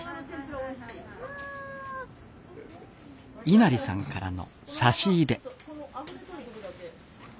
稲荷さんからの差し入れ。